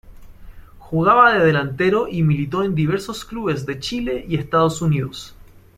Jugaba de delantero y militó en diversos clubes de Chile y Estados Unidos.